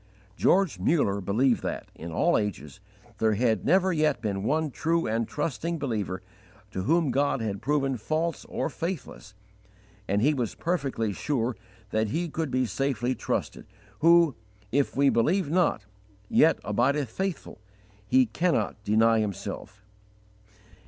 "_* George Muller believed that, in all ages, there had never yet been one true and trusting believer to whom God had proven false or faithless, and he was perfectly sure that He could be safely trusted who, "if we believe not, yet abideth faithful: He cannot deny Himself."